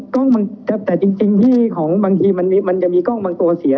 แต่จริงที่ของบางทีมันจะมีกล้องบางตัวเสีย